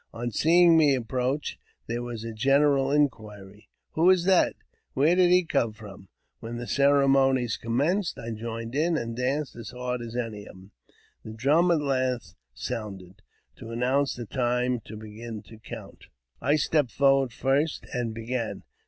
On seeing me approach, there was a general inquiry, " Who is that? Where did he come from?" When the ceremonies commenced, I joined in, and danced as hard as any of them. The drum at length sounded, to announce the time to begin to count. I stepped forward first, and began.